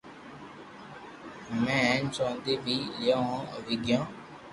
ھيم ھين چوندي بي ليون آوي گيو